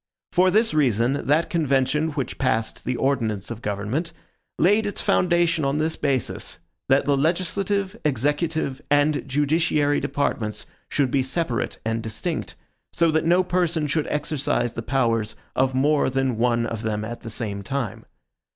For this reason, that convention which passed the ordinance of government, laid its foundation on this basis, that the legislative, executive, and judiciary departments should be separate and distinct, so that no person should exercise the powers of more than one of them at the same time.